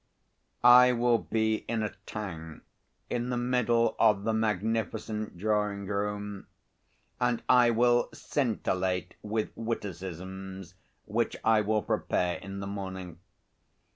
I will be in a tank in the middle of the magnificent drawing room, and I will scintillate with witticisms which I will prepare in the morning.